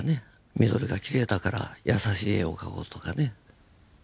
緑がきれいだから優しい絵を描こうとかね。